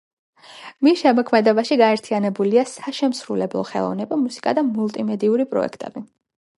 მის შემოქმედებაში გაერთიანებულია საშემსრულებლო ხელოვნება, მუსიკა და მულტიმედიური პროექტები.